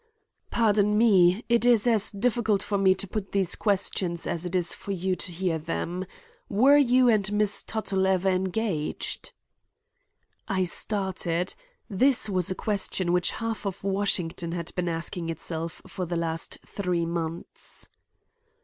"Pardon me; it is as difficult for me to put these questions as it is for you to hear them. Were you and Miss Tuttle ever engaged?" I started. This was a question which half of Washington had been asking itself for the last three months.